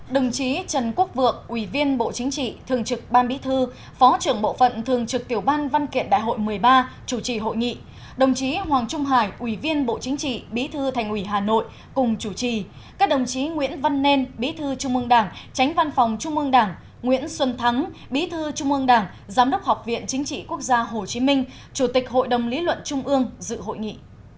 đồng chí trần quốc vượng ủy viên bộ chính trị thường trực ban bí thư phó trưởng bộ phận thường trực tiểu ban văn kiện đại hội một mươi ba chủ trì hội nghị đồng chí hoàng trung hải ủy viên bộ chính trị bí thư thành ủy hà nội cùng chủ trì các đồng chí nguyễn văn nen bí thư trung ương đảng tránh văn phòng trung ương đảng nguyễn xuân thắng bí thư trung ương đảng giám đốc học viện chính trị quốc gia hồ chí minh chủ tịch hội đồng lý luận trung ương dự hội nghị